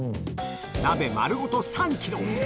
鍋丸ごと３キロ。